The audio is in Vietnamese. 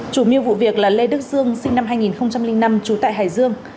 chủ mưu vụ việc là lê đức dương sinh năm hai nghìn năm trú tại hải dương